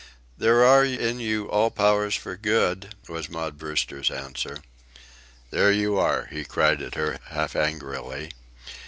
"There are in you all powers for good," was Maud Brewster's answer. "There you are!" he cried at her, half angrily.